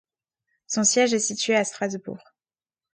Son siège est situé à Strasbourg.